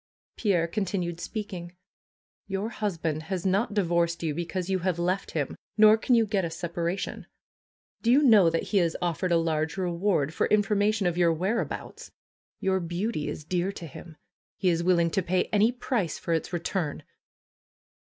Pierre continued speaking: ^^Your husband has not divorced you because you have left him; nor can you get a separation. Do you know that he has offered a FAITH 289 large reward for information of your whereabouts? Your beauty is dear to him. He is willing to pay any price for its return!"